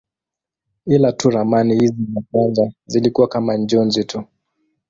Ila tu ramani hizi za kwanza zilikuwa kama njozi tu.